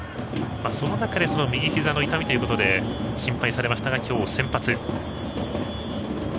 その中で右ひざの痛みということで心配されましたが今日は先発。